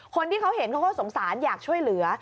คนที่เขาเห็นเขาก็สงสารอยากช่วยเหลือ